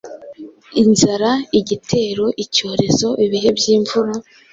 inzara, igitero, icyorezo, ibihe by’imvura,